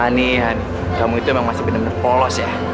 nih han kamu itu emang masih bener bener polos ya